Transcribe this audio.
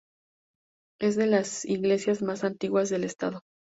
Es de las iglesias más antiguas del estado.